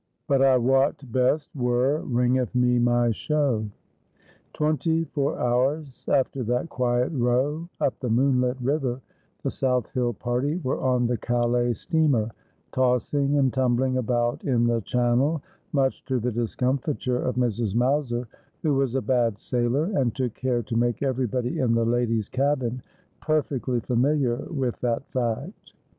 BUT I WOT BEST WHEK WEINGETH ME MY SHO.' Twenty four hours after that quiet row up the moonlit river, the South Hill party were on the Calais steamer, tossing and tumbling about in the Channel, much to the discomfiture of Mrs. Mowser, who was a bad sailor, and took care to make everybody in the ladies' cabin perfectly familiar with that fact.